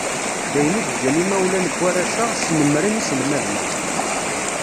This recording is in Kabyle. D ayen i yeǧǧan imawlan n warrac-a, snemmren iselmaden-a.